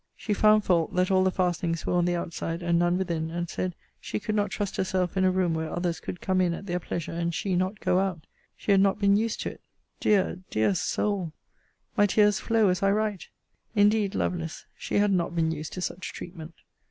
She found fault, that all the fastenings were on the outside, and none within; and said, she could not trust herself in a room where others could come in at their pleasure, and she not go out. She had not been used to it!!! Dear, dear soul! My tears flow as I write! Indeed, Lovelace, she had not been used to such treatment.